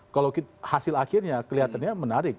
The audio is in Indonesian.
kalau hasil akhirnya kelihatannya menarik